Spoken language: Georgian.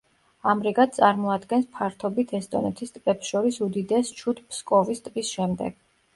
ამრიგად წარმოადგენს ფართობით ესტონეთის ტბებს შორის უდიდესს ჩუდ-ფსკოვის ტბის შემდეგ.